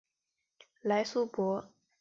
莱苏博。